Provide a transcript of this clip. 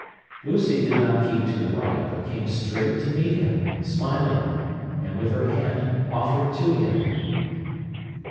Lucy did not keep to the right, but came straight to meet him, smiling, and with her hand offered to him.